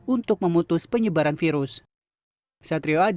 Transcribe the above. untuk memutus penyebaran virus